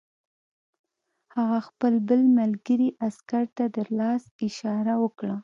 هغه خپل بل ملګري عسکر ته د لاس اشاره وکړه